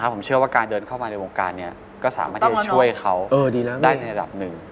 ผมเชื่อว่าการเดินเข้ามาในวงการนี้ก็สามารถที่จะช่วยเขาได้ในระดับหนึ่ง